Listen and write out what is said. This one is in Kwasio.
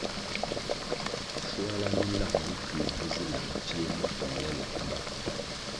Shuala mi nlang Bikui mbvu zi lang pfie mimpongʼle lang mba.